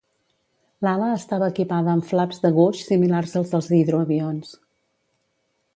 L'ala estava equipada amb flaps de Gouge similars als dels hidroavions.